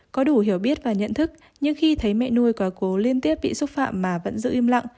có đủ hiểu biết và nhận thức nhưng khi thấy mẹ nuôi có cố liên tiếp bị xúc phạm mà vẫn giữ im lặng